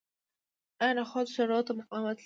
آیا نخود سړو ته مقاومت لري؟